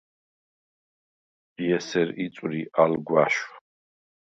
ჯი ესერ იწვრი ალ გვაშვ.